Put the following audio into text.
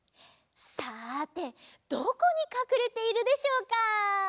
さてどこにかくれているでしょうか？